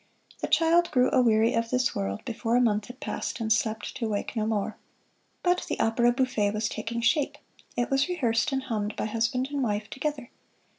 The child grew aweary of this world before a month had passed, and slept to wake no more. But the opera bouffe was taking shape. It was rehearsed and hummed by husband and wife together.